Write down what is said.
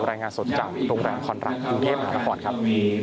รายงานสดจากโรงแรมคอนรักกรุงเทพหานครครับ